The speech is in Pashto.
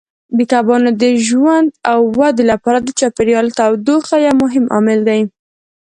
د کبانو د ژوند او ودې لپاره د چاپیریال تودوخه یو مهم عامل دی.